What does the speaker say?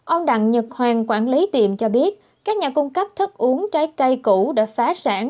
ông đặng nhật hoàng quản lý tiệm cho biết các nhà cung cấp thức uống trái cây cũ đã phá sản